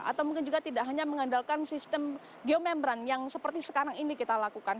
atau mungkin juga tidak hanya mengandalkan sistem geomembran yang seperti sekarang ini kita lakukan